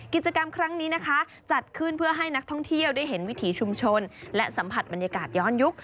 กิจกรรมครั้งนี้นะคะจัดขึ้นเพื่อให้นักท่องเที่ยวได้เห็นวิถีชุมชนและสัมผัสบรรยากาศย้อนยุค